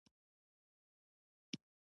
دوی غوښتل ټول تولید په خپل لاس کې واخلي